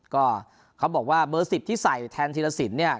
ก็เขาบอกว่าเบอร์๑๐ที่ใส่แทนธีรสินเนี่ย